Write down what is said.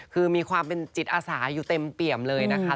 คือมีความเป็นจิตอาสาอยู่เต็มเปี่ยมเลยนะคะ